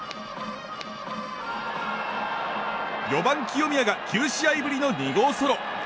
４番、清宮が９試合ぶりの２号ソロ。